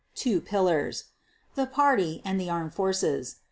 . two pillars: the Party and the Armed Forces.